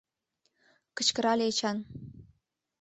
- кычкырале Эчан.